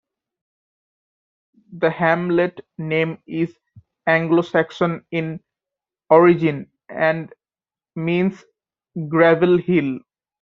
The hamlet name is Anglo Saxon in origin, and means 'gravel hill'.